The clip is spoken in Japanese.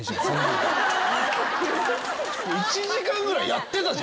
１時間ぐらいやってたじゃん。